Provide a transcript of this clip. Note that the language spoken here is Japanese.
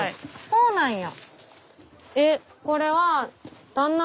そうなんや。